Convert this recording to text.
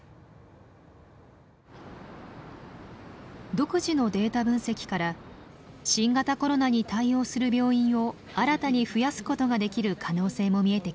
独自のデータ分析から新型コロナに対応する病院を新たに増やすことができる可能性も見えてきました。